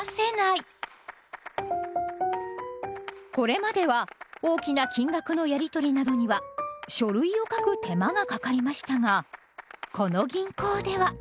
これまでは大きな金額のやりとりなどには書類を書く手間がかかりましたがこの銀行では。